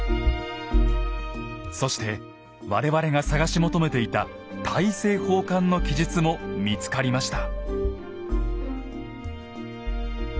そして我々が探し求めていた大政奉還の記述も見つかりました。